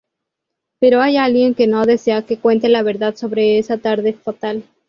Pero hay alguien que no desea que cuente la verdad sobre esa tarde fatal.